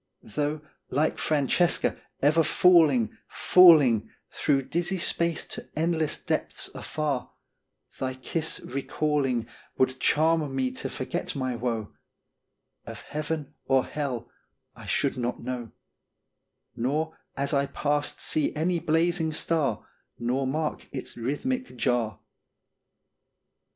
220 Qt. Sttmrn Statement. Though, like Francesca, ever falling, falling Through dizzy space to endless depths afar, Thy kiss recalling Would charm me to forget my woe ; Of Heaven or Hell I should not know, Nor as I passed see any blazing star, Nor mark its rhythmic jar.